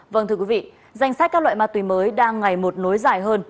vâng thưa quý vị danh sách các loại ma túy mới đang ngày một nối dài hơn